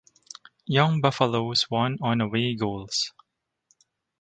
Young Buffaloes won on away goals.